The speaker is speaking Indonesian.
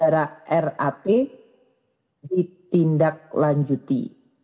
saudara rat ditindak lanjuti